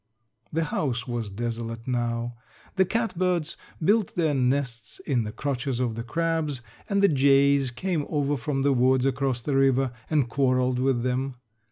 The house was desolate now. The catbirds built their nests in the crotches of the crabs and the jays came over from the woods across the river and quarreled with them.